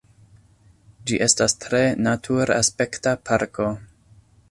Ĝi estas tre natur-aspekta parko.